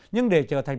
nhưng để trở thành